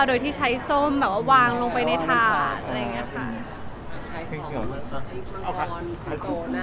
โดยที่ใช้ส้มแบบว่าวางลงไปในถาดอะไรอย่างนี้ค่ะ